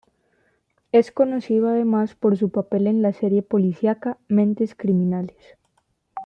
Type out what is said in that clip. Es conocido además por su papel en la serie policíaca "Mentes Criminales".